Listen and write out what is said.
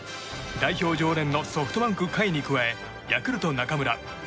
代表常連のソフトバンク甲斐に加えヤクルト中村。